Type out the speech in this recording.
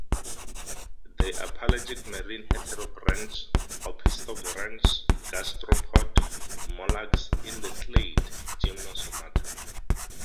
They are pelagic marine heterobranch opisthobranch gastropod mollusks in the clade Gymnosomata.